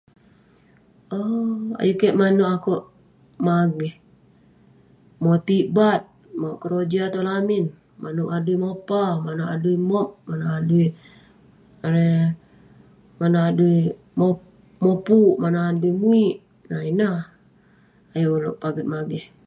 Ow..ayuk keik monak akouk mageh, motit bat..keroja tong lamin, manouk adui mopa, manouk adui mop, manouk adui erei..manouk adui mopuk, manouk adui muwik..na ineh ayuk ulouk paget mageh..